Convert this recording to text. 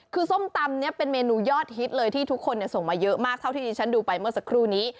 คือส้มตำนี้เป็นเมนูยอดฮิตเลยที่ทุกคนส่งมาเยอะมากเท่าที่ดิฉันดูไปเมื่อสักครู่นี้